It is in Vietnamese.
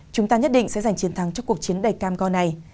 chúng ta nhất định sẽ giành chiến thắng cho cuộc chiến đầy cam go này